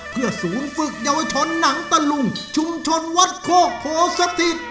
เพื่อศูนย์ฝึกเยาวชนหนังตะลุงชุมชนวัดโคกโพสถิต